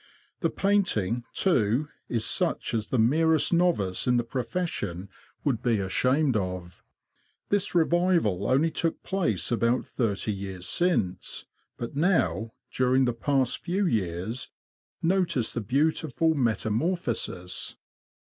The painting, too, is such as the " merest novice in the profession would be ashamed 46 THE LAND OF THE BROADS. of. This revival only took place about thirty years since ; but now, during the past few years, notice the beautiful metamorphosis.